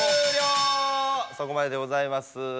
そこまででございます。